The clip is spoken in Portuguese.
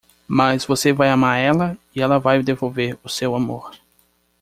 Mas você vai amar ela? e ela vai devolver o seu amor.